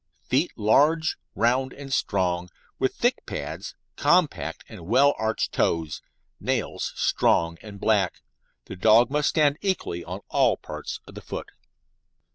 Feet large, round, and strong, with thick pads, compact and well arched toes, nails strong and black. The dog must stand equally on all parts of the foot.